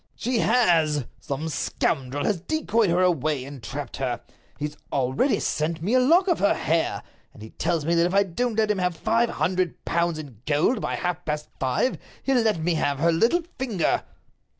"She has! Some scoundrel has decoyed her away, and trapped her. He's already sent me a lock of her hair, and he tells me that if I don't let him have five hundred pounds in gold by half past five he'll let me have her little finger."